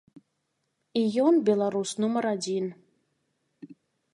І ён беларус нумар адзін.